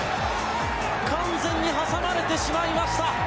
完全に挟まれてしまいました。